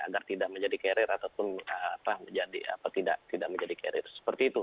agar tidak menjadi carrier ataupun tidak menjadi carrier seperti itu